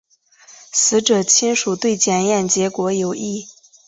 死者亲属对检验结果有异。